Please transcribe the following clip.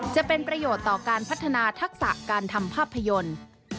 จะเป็นประโยชน์ต่อการพัฒนาทักษะการทำภาพยนตร์